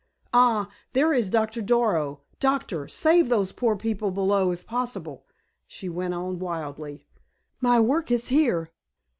"Ah, there is Doctor Darrow! Doctor, save those poor people below, if possible!" she went on wildly. "My work is here!"